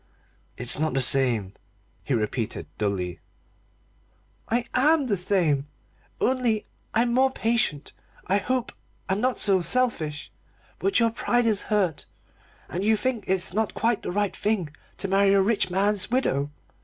"It's not the same," he repeated dully. "I am the same only I'm more patient, I hope, and not so selfish. But your pride is hurt, and you think it's not quite the right thing to marry a rich man's widow.